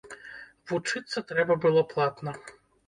Вучыцца трэба было платна.